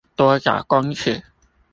多少公尺